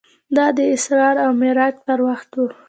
دا د اسرا او معراج پر وخت و.